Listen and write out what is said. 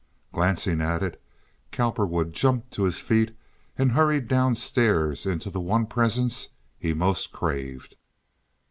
Glancing at it, Cowperwood jumped to his feet and hurried down stairs into the one presence he most craved.